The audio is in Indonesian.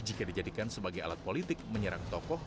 jika dijadikan sebagai alat politik menyerang tokoh